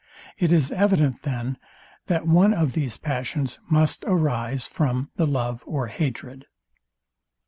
It is evident, then, that one of these passions must arise from the love or hatred.